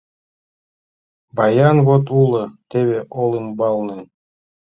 Баян вот уло, теве олымбалне...